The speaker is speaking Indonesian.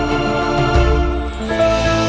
terima kasih dinda